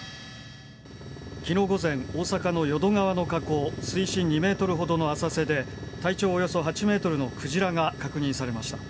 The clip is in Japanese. きのう午前、大阪の淀川の河口水深２メートルほどの浅瀬で、体長およそ８メートルのクジラが確認されました。